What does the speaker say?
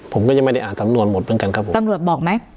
ผมก็ยังไม่ได้อ่านสำนวนหมดเหมือนกันครับผมตำรวจบอกไหม